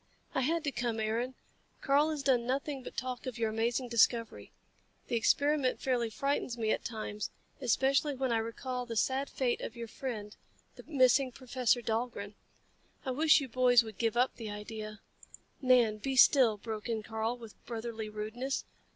"I had to come, Aaron. Karl has done nothing but talk of your amazing discovery. The experiment fairly frightens me at times especially when I recall the sad fate of your friend, the missing Professor Dahlgren. I wish you boys would give up the idea " "Nan, be still," broke in Karl, with brotherly rudeness.